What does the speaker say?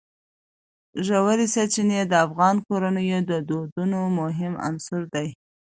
ژورې سرچینې د افغان کورنیو د دودونو مهم عنصر دی.